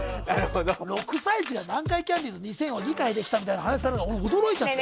６歳児が南海キャンディーズ２０００を理解できたみたいな話されて俺、驚いちゃって。